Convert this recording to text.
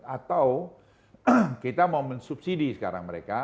atau kita mau mensubsidi sekarang mereka